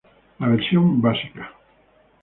La versión básica.